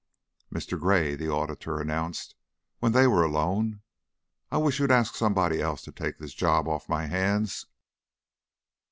"Mr. Gray," the auditor announced, when they were alone, "I wish you'd ask somebody else to take this job off my hands."